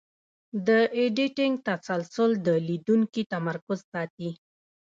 د ایډیټینګ تسلسل د لیدونکي تمرکز ساتي.